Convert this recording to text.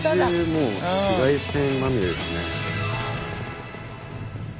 もう紫外線まみれですね。